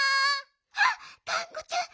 あっがんこちゃん。